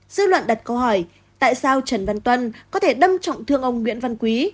dư luận đặt câu hỏi tại sao trần văn tuân có thể đâm trọng thương ông nguyễn văn quý